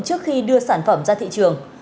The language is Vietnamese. trước khi đưa sản phẩm ra thị trường